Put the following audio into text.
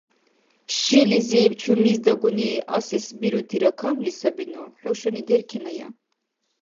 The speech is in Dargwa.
Шилизиб чумиздагуни асес бирутира камли сабину, хӀушани деркеная.